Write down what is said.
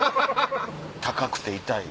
高くて痛い。